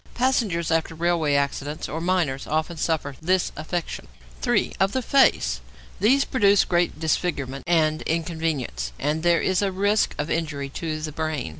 Passengers after railway accidents, or miners, often suffer from this affection. 3. =Of the Face.= These produce great disfigurement and inconvenience, and there is a risk of injury to the brain.